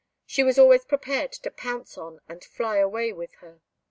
She was always prepared to pounce on and fly away with her.